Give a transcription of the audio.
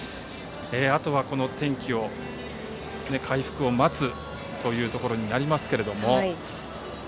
あとは、この天気の回復を待つというところになりますけれども。